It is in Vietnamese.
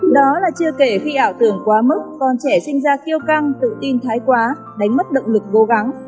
đó là chưa kể khi ảo tưởng quá mức còn trẻ sinh ra kêu căng tự tin thái quá đánh mất động lực cố gắng